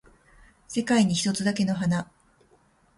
世界に一つだけの花